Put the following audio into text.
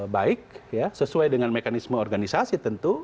baik sesuai dengan mekanisme organisasi tentu